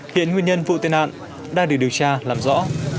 hiện nguyên nhân vụ tai nạn đang được điều tra làm rõ